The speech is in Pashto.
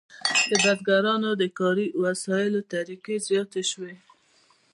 د بزګرانو د کاري وسایلو طریقې زیاتې شوې.